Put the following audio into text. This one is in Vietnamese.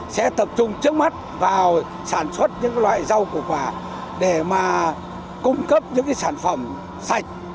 sẽ tập trung trước mắt vào sản xuất những loại rau củ quả để mà cung cấp những sản phẩm sạch